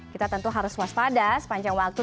kita tentu harus waspada sepanjang waktu